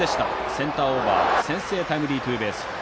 センターオーバーの先制タイムリーツーベースヒット。